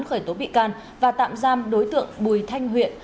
khởi tố bị can và tạm giam đối tượng bùi thanh huyện